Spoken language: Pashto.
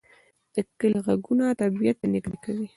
د کلی غږونه طبیعت ته نږدې کوي